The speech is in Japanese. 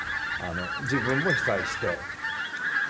自分も被災して。